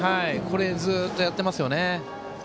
これをずっとやっていますね。